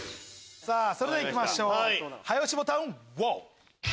それではいきましょう早押しボタンウォール。